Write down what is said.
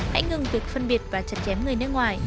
hãy ngừng việc phân biệt và chặt chém người nước ngoài